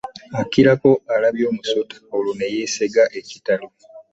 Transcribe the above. Akirako alabye omusota olwo ne yeesega ekitalo